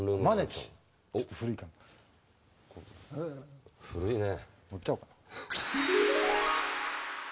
ちょっと古いか。古いね。